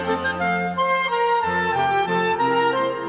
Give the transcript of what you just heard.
สวัสดีครับสวัสดีครับ